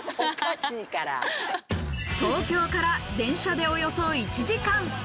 東京から電車でおよそ１時間。